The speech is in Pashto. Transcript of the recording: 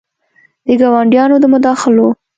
د ګاونډیانو د مداخلو